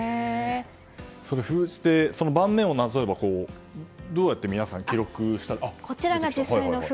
封じ手、盤面をなぞればどうやって皆さん、記録したか。